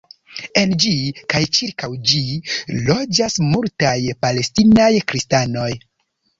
En ĝi kaj ĉirkaŭ ĝi loĝas multaj palestinaj kristanoj.